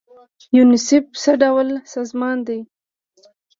یونیسف څه ډول سازمان دی؟